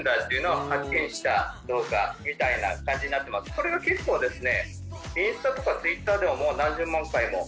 これが結構ですね。